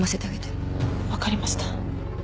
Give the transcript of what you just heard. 分かりました。